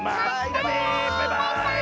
バイバーイ！